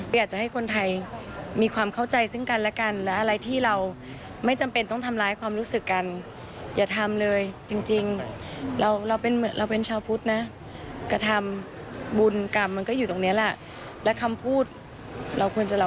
ก็อยากจะให้คนไทยมีความเข้าใจซึ่งกันและกันและอะไรที่เราไม่จำเป็นต้องทำร้ายความรู้สึกกันอย่าทำเลยจริงเราเป็นเหมือนเราเป็นชาวพุทธนะกระทำบุญกรรมมันก็อยู่ตรงนี้แหละ